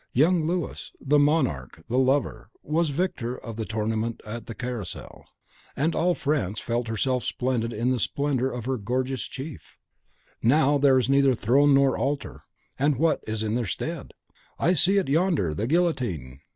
Young Louis, the monarch and the lover, was victor of the Tournament at the Carousel; and all France felt herself splendid in the splendour of her gorgeous chief! Now there is neither throne nor altar; and what is in their stead? I see it yonder the GUILLOTINE!